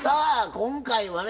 今回はね